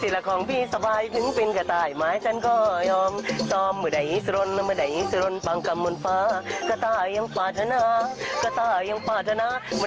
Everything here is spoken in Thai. มันไม่ให้เกินถ้าจะโดนลงพื้นดิน